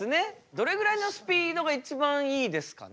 どれぐらいのスピードが一番いいですかね？